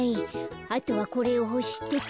あとはこれをほしてと。